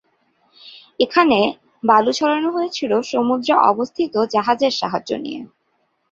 এখানে, বালু ছড়ানো হয়েছিল সমুদ্রে অবস্থিত জাহাজের সাহায্য নিয়ে।